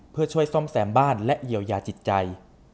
เพื่อช่วยซ่อมแซมบ้านและเยียวยาจิตใจ